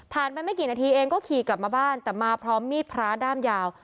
ไม่กี่นาทีเองก็ขี่กลับมาบ้านแต่มาพร้อมมีดพระด้ามยาว